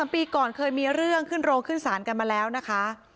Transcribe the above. ปีก่อนเคยมีเรื่องขึ้นโรงขึ้นศาลกันมาแล้วนะคะ